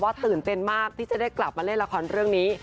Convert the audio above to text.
ตื่นเต้นมากที่จะได้กลับมาเล่นละครเรื่องนี้